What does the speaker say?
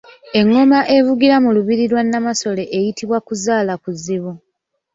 Engoma evugira mu lubiri lwa Namasole eyitibwa Kuzaalakuzibu.